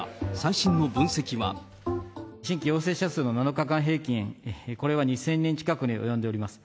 新規陽性者数の７日間平均、これは２０００人近くに及んでおります。